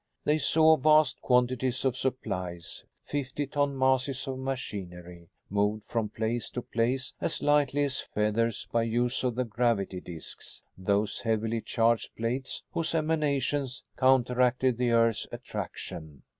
They saw vast quantities of supplies, fifty ton masses of machinery, moved from place to place as lightly as feathers by use of the gravity discs, those heavily charged plates whose emanations counteracted the earth's attraction.